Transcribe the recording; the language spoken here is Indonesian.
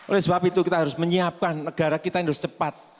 oleh sebab itu kita harus menyiapkan negara kita yang harus cepat